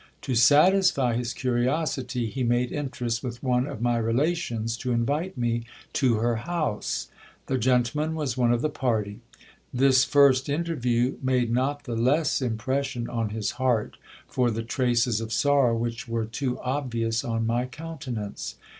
To satisfy his curiosity, he made interest with one of my relations to invite me to her house. The gentleman was one of the party. This first interview' made not the less impression on his heart for the traces of sorrow which were too obvious on my countenance.